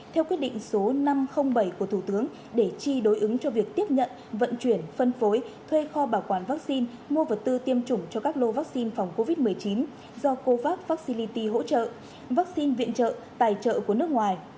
theo quyết định số năm trăm linh bảy của thủ tướng để chi đối ứng cho việc tiếp nhận vận chuyển phân phối thuê kho bảo quản vaccine mua vật tư tiêm chủng cho các lô vaccine phòng covid một mươi chín do covax fracility hỗ trợ vaccine viện trợ tài trợ của nước ngoài